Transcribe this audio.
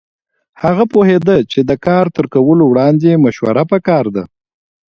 هغه پوهېده چې د کار تر کولو وړاندې مشوره پکار ده.